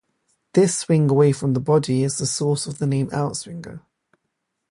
This swing away from the body is the source of the name "outswinger".